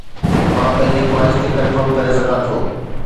مان پنهنجي خواهشن تي ڪنٽرول ڪري سگهان ٿو